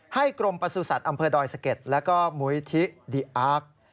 ให้กรมประสุทธิ์อำเภอดอยสเก็ตและมหิทธิดิอาร์ก